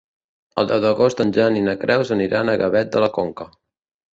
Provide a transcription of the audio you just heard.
El deu d'agost en Jan i na Neus aniran a Gavet de la Conca.